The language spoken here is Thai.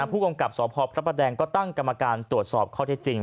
ผู้กำกับสพพระประแดงก็ตั้งกรรมการตรวจสอบข้อเท็จจริง